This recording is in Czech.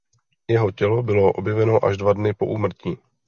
Jeho tělo bylo objeveno až dva dny po úmrtí.